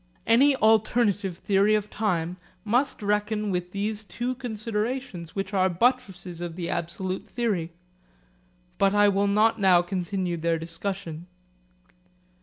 Any alternative theory of time must reckon with these two considerations which are buttresses of the absolute theory. But I will not now continue their discussion.